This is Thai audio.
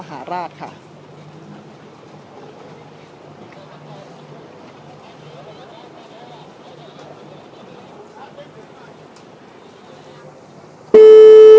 สวัสดีครับ